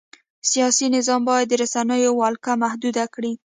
سیاسي نظام باید د رسنیو ولکه محدوده کړي.